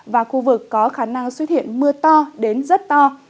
và khu vực có khả năng xuất hiện mưa to đến rất to